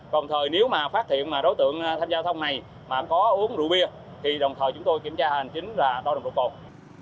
còn thời nếu mà phát hiện đối tượng tham gia thông này mà có uống rượu bia thì đồng thời chúng tôi kiểm tra hành chính là đo đồng độc cộng